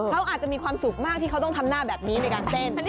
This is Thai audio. เขาอาจจะมีความสุขมากที่เขาต้องทำหน้าแบบนี้ในการเต้น